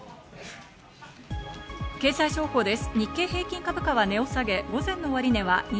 経済情報です。